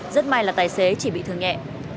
rất may là tài xế chỉ bị thương nhẹ